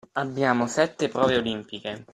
Abbiamo sette prove olimpiche.